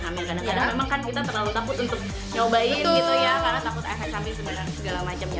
karena kadang kadang kita terlalu takut untuk nyobain gitu ya karena takut efek hamil sebenarnya dan segala macemnya